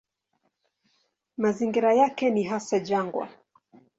Mazingira yake ni hasa jangwa.